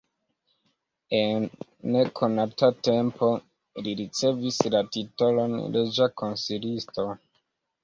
En nekonata tempo li ricevis la titolon reĝa konsilisto.